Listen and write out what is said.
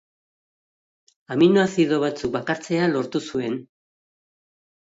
Aminoazido batzuk bakartzea lortu zuen.